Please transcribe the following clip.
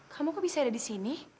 kamu kok bisa ada di sini